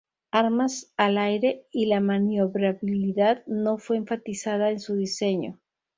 Armas al aire, y la maniobrabilidad no fue enfatizada en su diseño.